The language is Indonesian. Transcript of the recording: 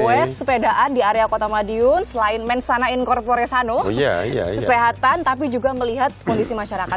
west sepedaan di area kota madiun selain mensanain corporesano kesehatan tapi juga melihat kondisi masyarakat